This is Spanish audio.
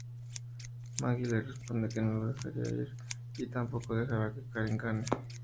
Maggie le responde que no lo dejará ir y tampoco dejará que Karen gane.